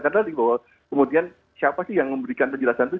karena kemudian siapa sih yang memberikan penjelasan itu